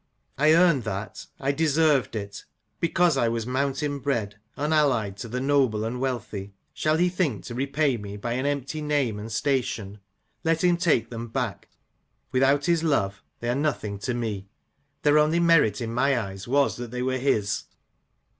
I earned that ; I deserved it. Because 1 was mountain bred, unallied to the noble and wealthy, shall he think to repay me by an empty name and station ? Let him take them back ; without his love they are nothing to me. Their only merit in my eyes was that they were his."